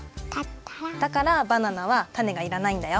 だからバナナはタネがいらないんだよ。